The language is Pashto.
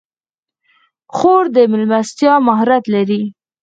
خور د میلمستیا مهارت لري.